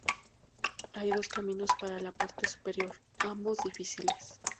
Hay dos caminos para la parte superior, ambos difíciles.